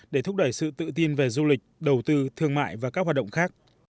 để thúc đẩy sự tự tin về du lịch đầu tư thương mại và các hoạt động khác